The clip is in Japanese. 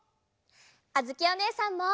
あづきおねえさんも！